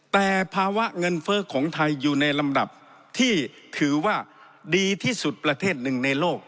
แต่ภาวะเงินเฟ้อของไทยอยู่ในลำดับที่ถือว่าดีที่สุดประเทศหนึ่งในโลก